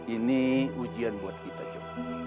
ini ujian buat kita yuk